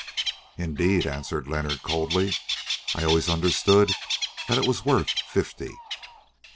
"Indeed!" answered Leonard coldly; "I always understood that it was worth fifty."